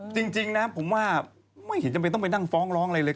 จริงนะผมว่าไม่เห็นจำเป็นต้องไปนั่งฟ้องร้องอะไรเลย